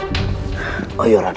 jangan jangan orang itu